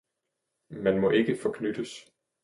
Man må ikke forknyttes!